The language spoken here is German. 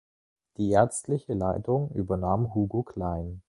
Die ärztliche Leitung übernahm Hugo Klein.